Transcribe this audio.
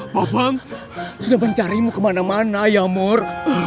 bambang sudah mencarimu kemana mana ayamor